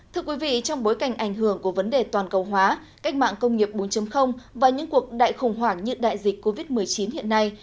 thưa quý vị trong bối cảnh ảnh hưởng của vấn đề toàn cầu hóa cách mạng công nghiệp bốn và những cuộc đại khủng hoảng như đại dịch covid một mươi chín hiện nay